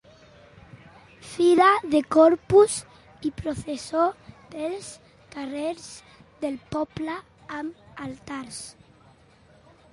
Fira de Corpus i processó pels carrers del poble amb altars.